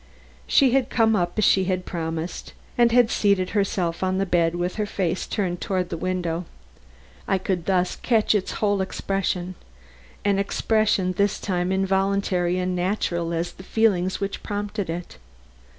She had come up as she had promised, and had seated herself on the bed with her face turned toward the window. I could thus catch its whole expression an expression this time involuntary and natural as the feelings which prompted it.